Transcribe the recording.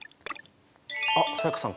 あっ才加さん